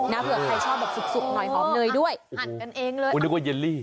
เผื่อใครชอบแบบสุกหน่อยหอมเนยด้วยหั่นกันเองเลยโอ้นึกว่าเยลลี่